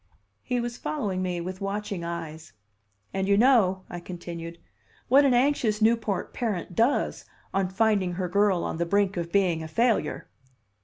He was following me with watching eyes. "And you know," I continued, "what an anxious Newport parent does on finding her girl on the brink of being a failure."